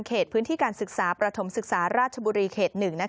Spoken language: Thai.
เขตพื้นที่การศึกษาประถมศึกษาราชบุรีเขต๑